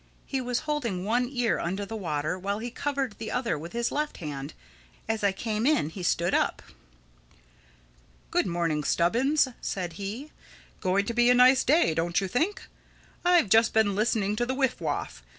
He was holding one ear under the water while he covered the other with his left hand. As I came in he stood up. "Good morning, Stubbins," said he. "Going to be a nice day, don't you think? I've just been listening to the Wiff Waff.